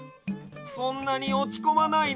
そんなにおちこまないで。